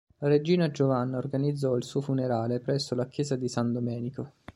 La regina Giovanna organizzò il suo funerale presso la chiesa di San Domenico.